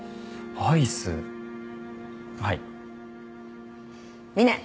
アイスはいみね！